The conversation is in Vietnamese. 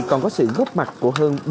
còn có sự góp mặt của hơn